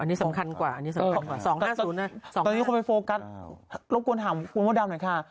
อันนี้สำคัญกว่าอันนี้สำคัญกว่า๒๕๐นะตอนนี้คนไปโฟกัสรบกวนถามคุณมดดำหน่อยค่ะ